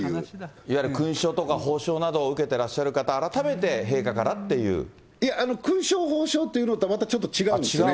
いわゆる勲章とか褒章などを受けてらっしゃる方、改めて陛下いや、勲章、褒章というのとは、またちょっと違うんですね。